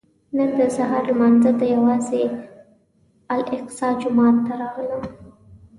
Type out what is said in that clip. نن د سهار لمانځه ته یوازې الاقصی جومات ته راغلم.